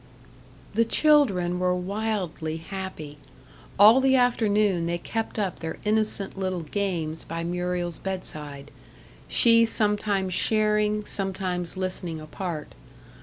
The children were wildly happy. All the afternoon they kept up their innocent little games by Muriel's bed side; she sometimes sharing, sometimes listening apart.